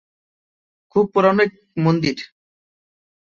খুব পুরানো এক মন্দির।